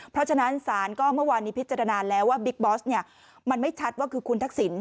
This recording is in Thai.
เพราะฉะนั้นศาลก็เมื่อวานนี้พิจารณาแล้วว่าบิ๊กบอสเนี่ยมันไม่ชัดว่าคือคุณทักษิณ